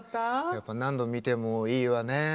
やっぱ何度見てもいいわね。